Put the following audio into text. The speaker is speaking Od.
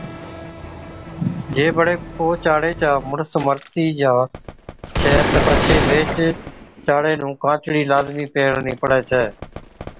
جي بڙي ڪو چاڙي چا مُڙس سرگِي ھُتِي جا ڇَي تہ پڇي ويھِچ چاڙي نُون ڪانچڙِي لازمِي پيھرڻِي پڙَي ڇَي